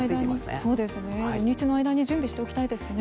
土日の間に準備しておきたいですね。